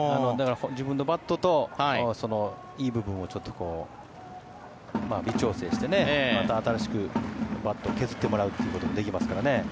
自分のバットとそのいい部分を微調整してまた新しくバットを削ってもらうっていうこともできますからね。